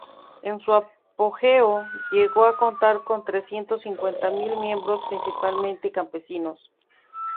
En su apogeo, llegó a contar con trescientos cincuenta mil miembros, principalmente campesinos.